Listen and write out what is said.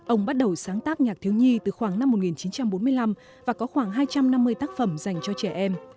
ông bắt đầu sáng tác nhạc thiếu nhi từ khoảng năm một nghìn chín trăm bốn mươi năm và có khoảng hai trăm năm mươi tác phẩm dành cho trẻ em